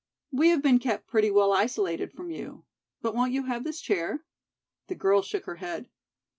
We have been kept pretty well isolated from you. But won't you have this chair?" The girl shook her head.